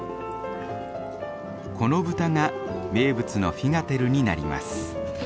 この豚が名物のフィガテルになります。